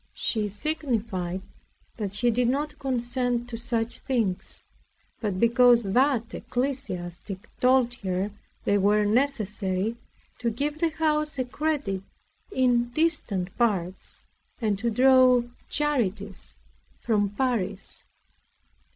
She signified that she did not consent to such things, but because that ecclesiastic told her they were necessary to give the house a credit in distant parts and to draw charities from Paris.